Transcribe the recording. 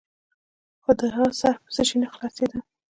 خو د هغه سر په څه شي نه خلاصېده.